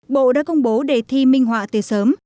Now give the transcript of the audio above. bộ đã công bố đề thi minh họa từ sớm